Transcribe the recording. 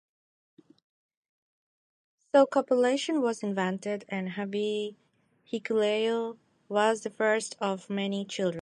So copulation was invented, and Havea Hikuleo was the first of many children.